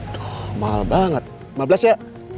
tuh mahal banget lima belas ya